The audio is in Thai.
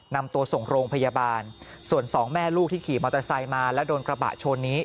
นำตัวส่งโรงพยาบาลส่วนสองแม่ลูกที่ขี่มอเตอร์ไซค์มาแล้วโดนกระบะชนนี้